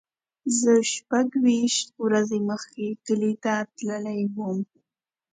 زه شپږ ویشت ورځې مخکې کلی ته تللی وم.